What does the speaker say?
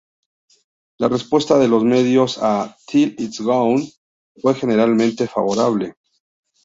La respuesta de los medios a "Till It's Gone" fue generalmente favorable.